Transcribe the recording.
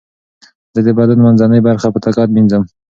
زه د بدن منځنۍ برخه په دقت مینځم.